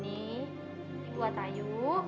nah ini buat ayu